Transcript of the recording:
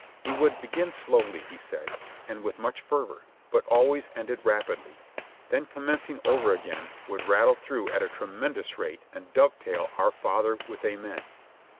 He would begin slowly, he said, and with much fervor, but always ended rapidly; then, commencing over again, would rattle through at a tremendous rate and dove tail "Our Father" with "Amen."